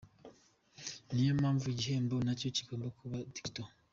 Niyo mpamvu igihembo nacyo kigomba kuba Digital.